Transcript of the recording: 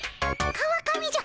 川上じゃ。